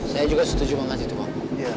saya juga setuju banget gitu bang